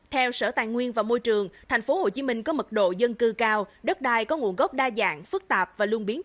theo sở tài nguyên và môi trường tp hcm có mật độ dân cư cao đất đai có nguồn gốc đa dạng phức tạp và luôn biến